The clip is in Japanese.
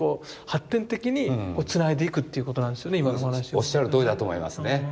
おっしゃるとおりだと思いますね。